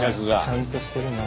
ちゃんとしてるな。